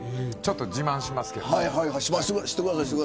ちょっと自慢しますけど。